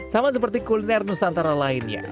sama seperti kuliner nusantara lainnya